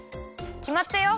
きまったよ！